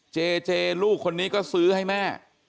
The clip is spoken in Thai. เจเจลูกคนนี้ก็ซื้อให้แม่